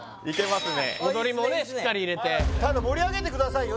踊りもねしっかり入れて盛り上げてくださいよ